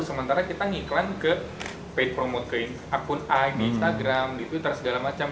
sementara kita mengiklan ke pay promote ke akun a di instagram di twitter segala macam